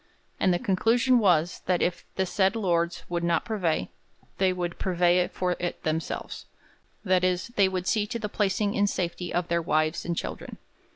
'And the conclusion was, that if the said lord would not purvey, they would purvey for it themselves. That is, they would see to the placing in safety of their wives and children.'